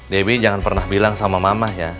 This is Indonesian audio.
debbie jangan pernah bilang sama mama ya